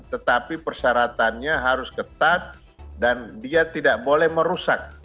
tetapi persyaratannya harus ketat dan dia tidak boleh merusak